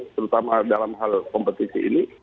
terutama dalam hal kompetisi ini